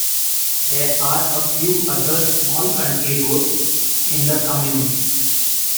There are a few other small country roads in the commune.